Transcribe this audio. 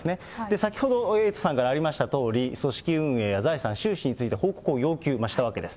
先ほどエイトさんからありましたとおり、組織運営や財産、収支について報告を要求したわけです。